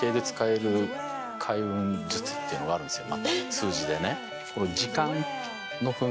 数字でね。